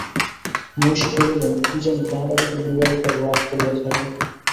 মহিষী কহিলেন, কী জানি তাহারা যদি বিভার উপর রাগ করিয়া থাকে।